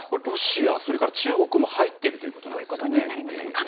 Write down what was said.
ロシア、それから中国も入っているということなんですね。